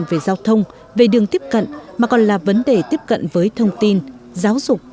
về giao thông về đường tiếp cận mà còn là vấn đề tiếp cận với thông tin giáo dục